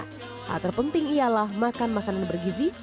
hal terpenting ialah makan makanan bergizi